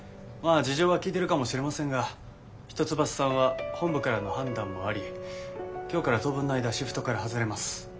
あ事情は聞いてるかもしれませんが一橋さんは本部からの判断もあり今日から当分の間シフトから外れます。